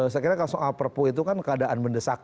saya kira soal perpu itu kan keadaan mendesak